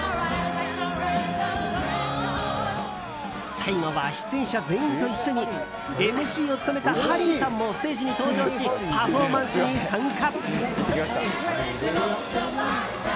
最後は出演者全員と一緒にＭＣを務めたハリーさんもステージに登場しパフォーマンスに参加。